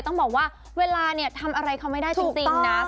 ต้องบอกว่าเวลาเนี่ยทำอะไรเขาไม่ได้จริงนะ